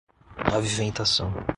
aviventação